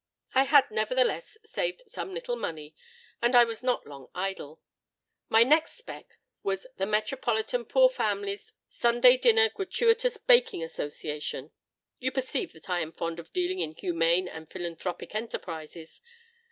I had, nevertheless, saved some little money; and I was not long idle. My next spec. was 'The Metropolitan Poor Family's Sunday Dinner Gratuitous Baking Association.' You perceive that I am fond of dealing in humane and philanthropic enterprises.